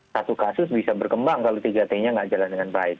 satu kasus bisa berkembang kalau tiga t nya nggak jalan dengan baik